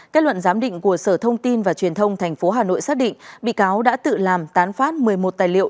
kết luận giám định của sở thông tin và truyền thông tp hà nội xác định bị cáo đã tự làm tán phát một mươi một tài liệu